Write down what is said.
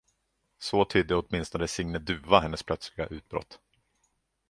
Så tydde åtminstone Signe Dufva hennes plötsliga utbrott.